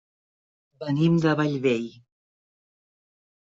Venim de Bellvei.